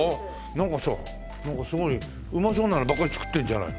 なんかさなんかすごいうまそうなのばっかり作ってるんじゃない。